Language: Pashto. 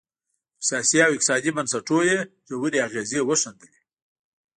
پر سیاسي او اقتصادي بنسټونو یې ژورې اغېزې وښندلې.